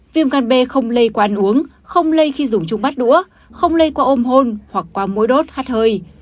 viêm gan b không lây qua ăn uống không lây khi dùng chung bát đũa không lây qua ôm hôn hoặc qua mũi đốt hơi